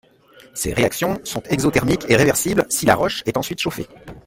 Ces réactions sont exothermiques et réversible si la roche est ensuite chauffée.